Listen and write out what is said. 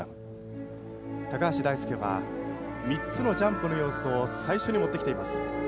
橋大輔は３つのジャンプの要素を最初に持ってきています。